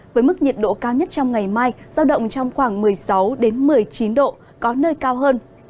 với mức nhiệt độ cao nhất trong ngày mai giao động trong khoảng một mươi sáu một mươi chín độ có nơi cao hơn